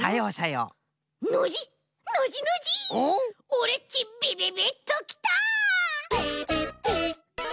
オレっちビビビッときた！